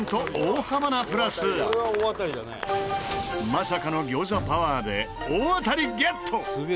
まさかの餃子パワーで大当たりゲット！